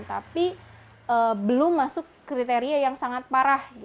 tapi belum masuk kriteria yang sangat parah